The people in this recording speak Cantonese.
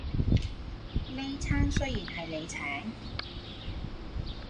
呢餐雖然係你請